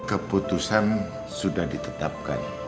keputusan sudah ditetapkan